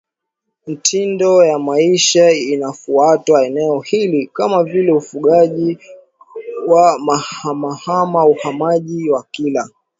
mitindo ya maisha inayofuatwa eneo hili kama vile ufugaji wa kuhamahama uhamaji wa kila